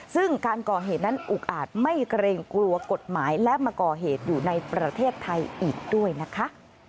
ซึ่งการก่อเหตุนั้นอุกอาจไม่เกรงกลัวกฎหมายและมาก่อเหตุอยู่ในประเทศไทยอีกด้วยนะคะ